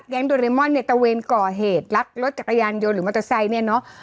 โดเรมอนเนี่ยตะเวนก่อเหตุลักรถจักรยานยนต์หรือมอเตอร์ไซค์เนี่ยเนอะ